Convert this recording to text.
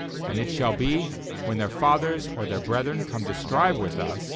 ^And it shall be, when their fathers or $eir brethren come to strive with us.